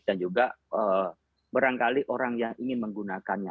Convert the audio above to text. dan juga berangkali orang yang ingin menggunakannya